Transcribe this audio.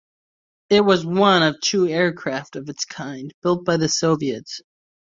It was one of two aircraft of its kind built by the Soviets.